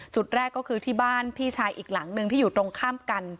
จุดแรกก็คือที่บ้านพี่ชายอีกหลังหนึ่งที่อยู่ตรงข้ามกัน